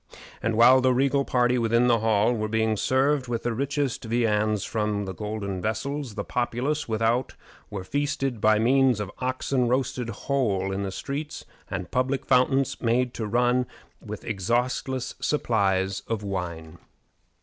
And while the regal party within the hall were being served with the richest viands from golden vessels, the populace without were feasted by means of oxen roasted whole in the streets, and public fountains made to run with exhaustless supplies of wine.